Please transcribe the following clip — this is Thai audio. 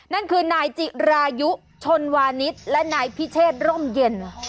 นั่นคือนายจิรายุชนวานิสและนายพิเชษร่มเย็น